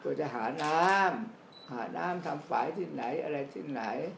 จะหาน้ำหาน้ำทำฝ่ายที่ไหนอะไรที่ไหน